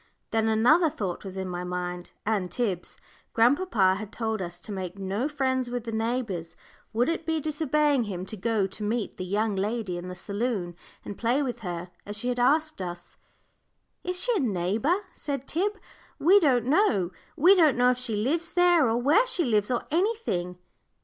Then another thought was in my mind and Tib's. Grandpapa had told us to make no friends with the neighbours. Would it be disobeying him to go to meet the young lady in the saloon and play with her, as she had asked us? "Is she a neighbour?" said Tib. "We don't know we don't know if she lives there, or where she lives, or anything."